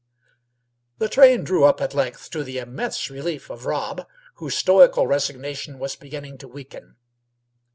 The train drew up at length, to the immense relief of Rob, whose stoical resignation was beginning to weaken.